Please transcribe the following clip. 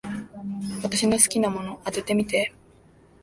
私の好きなもの、当ててみて。